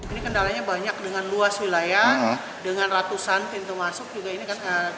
ini kendalanya banyak dengan luas wilayah dengan ratusan pintu masuk